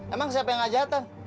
emang siapa yang ajatan